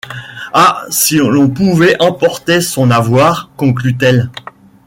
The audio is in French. Ah ! si l’on pouvait emporter son avoir ! conclut-elle.